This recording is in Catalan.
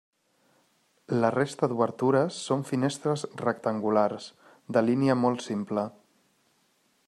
La resta d'obertures són finestres rectangulars, de línia molt simple.